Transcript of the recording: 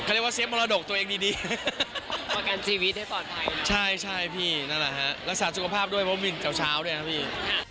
เรียกว่าเซฟมรดกตัวเองดีดีประกันชีวิตให้ปลอดภัยใช่ใช่พี่นั่นแหละฮะรักษาสุขภาพด้วยเพราะวินเช้าด้วยนะพี่